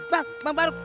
pak pak farug